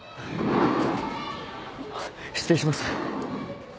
・失礼します。